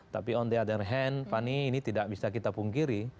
tapi on the other hand fani ini tidak bisa kita pungkiri